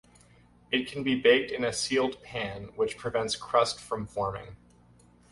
It can be baked in a sealed pan, which prevents crust from forming.